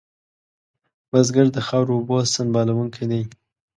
بزګر د خاورو اوبو سنبالونکی دی